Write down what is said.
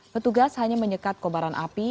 petugas hanya menyekat kobaran api